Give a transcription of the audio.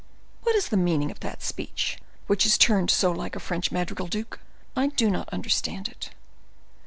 "What is the meaning of that speech, which is turned so like a French madrigal, duke? I do not understand it."